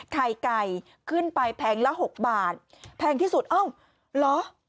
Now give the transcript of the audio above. ไข่ไก่ขึ้นไปแผงละ๖บาทแพงที่สุดเอ้าเหรอ